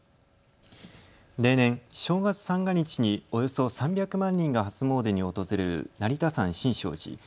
例年、正月三が日におよそ３００万人が初詣に訪れる成田山新勝寺。